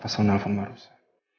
pas aku nelfon baru sa